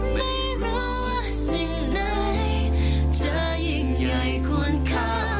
ไม่รู้ว่าสิ่งไหนจะยังไงควรคา